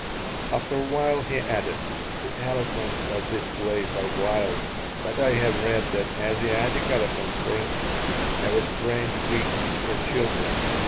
After a while he added: "The elephants of this place are wild, but I have read that Asiatic elephants, for instance, have a strange weakness for children.